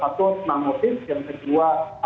jadi pertanyaan pertanyaan yang kedua akan diaktifkan